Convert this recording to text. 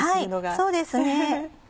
そうですね。